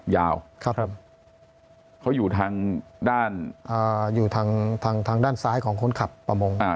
ยาวครับครับเขาอยู่ทางด้านอ่าอยู่ทางทางทางด้านซ้ายของคนขับประมงอ่า